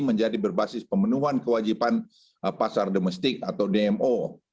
menjadi berbasis pemenuhan kewajiban pasar domestik atau dmo